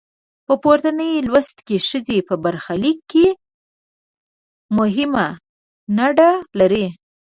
په پورتني لوست کې ښځې په برخلیک کې مهمه نډه لري.